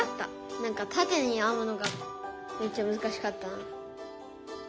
何かたてにあむのがめっちゃむずかしかったな。